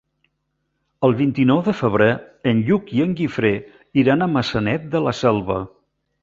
El vint-i-nou de febrer en Lluc i en Guifré iran a Maçanet de la Selva.